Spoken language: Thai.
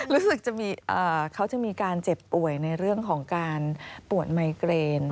รู้สึกเขาจะมีการเจ็บป่วยในเรื่องของการปวดไมเกรน